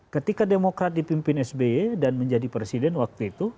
ketika demokrat dipimpin sby dan menjadi presiden waktu itu